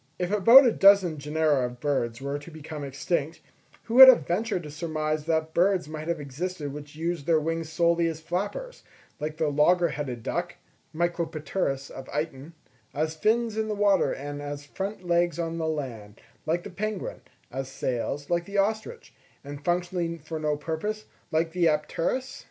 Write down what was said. If about a dozen genera of birds were to become extinct, who would have ventured to surmise that birds might have existed which used their wings solely as flappers, like the logger headed duck (Micropterus of Eyton); as fins in the water and as front legs on the land, like the penguin; as sails, like the ostrich; and functionally for no purpose, like the apteryx?